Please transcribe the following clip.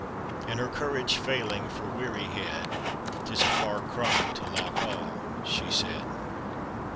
And her courage failing for wearihead: "'Tis a far cry to Loch Awe," she said.